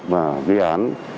và cái án